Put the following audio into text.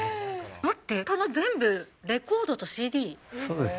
待って、棚全部、レコードとそうです。